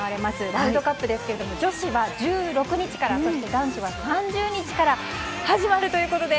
ワールドカップですが女子は１６日からそして男子は３０日から始まるということで。